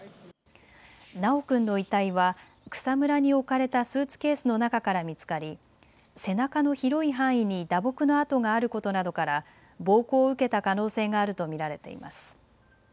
修君の遺体は草むらに置かれたスーツケースの中から見つかり背中の広い範囲に打撲の痕があることなどから暴行を受けた可能性があると見られています。